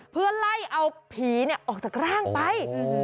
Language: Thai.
เพื่อไล่เอาผีออกจากร่างไป